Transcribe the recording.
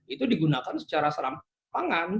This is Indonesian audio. itu digunakan secara serampangan